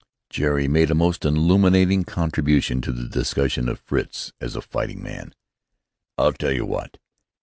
Jerry made a most illuminating contribution to the discussion of Fritz as a fighting man: "I'll tell you wot!